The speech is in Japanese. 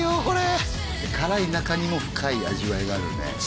これ辛い中にも深い味わいがあるよね